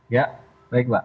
ya baik mbak